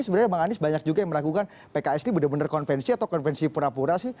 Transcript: sebenarnya bang anies banyak juga yang meragukan pks ini benar benar konvensi atau konvensi pura pura sih